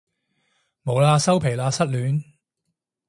冇喇收皮喇失戀